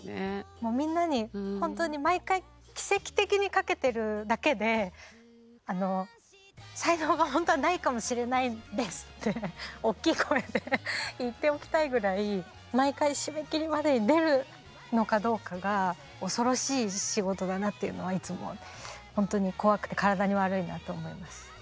もうみんなに本当に毎回奇跡的に書けてるだけであの才能が本当はないかもしれないんですって大きい声で言っておきたいぐらい毎回締め切りまでに出るのかどうかが恐ろしい仕事だなっていうのはいつも本当に怖くて体に悪いなと思います。